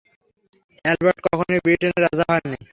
Albert কখনোই ব্রিটেনের রাজা হননি।